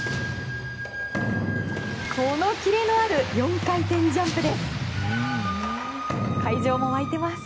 キレのある４回転ジャンプです！